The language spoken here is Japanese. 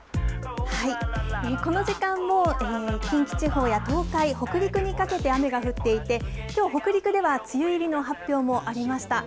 この時間も近畿地方や東海、北陸にかけて雨が降っていて、きょう、北陸では梅雨入りの発表もありました。